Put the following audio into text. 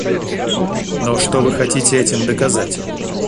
Но что вы хотите этим доказать?